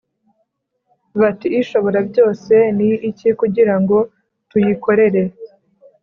bati ‘ishoborabyose ni iki kugira ngo tuyikorere’